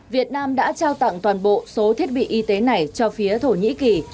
việt nam đã trao tặng toàn bộ số thiết bị y tế này cho phía thổ nhĩ kỳ